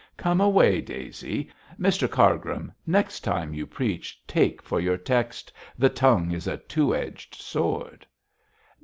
'Come away, Daisy. Mr Cargrim, next time you preach take for your text, "The tongue is a two edged sword."'